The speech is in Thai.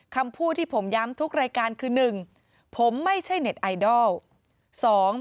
คำพูดที่ผมย้ำทุกรายการคือ๑ผมไม่ใช่เน็ตไอดอล